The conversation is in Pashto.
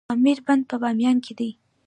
د امیر بند په بامیان کې دی